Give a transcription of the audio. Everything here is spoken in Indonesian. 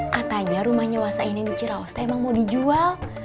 katanya rumahnya wasaini di ciraosta emang mau dijual